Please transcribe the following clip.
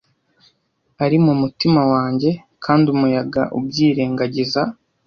ari mumutima wanjye kandi umuyaga ubyirengagiza